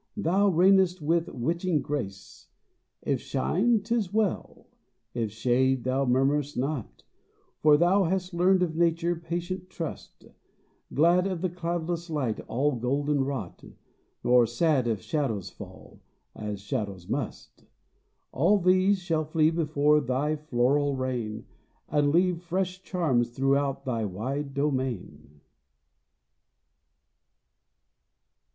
thou reign'st with witching grace. If shine, 'tis well; if shade, thou murmur'st not, For thou hast learned of nature patient trust Glad of the cloudless light all golden wrought, Nor sad if shadows fall, as shadows must All these shall flee before thy floral reign, And leave fresh charms throughout thy wide domain.